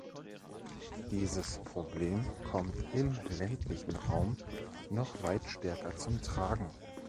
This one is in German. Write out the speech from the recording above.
Dieses Problem kommt im ländlichen Raum noch weit stärker zum Tragen.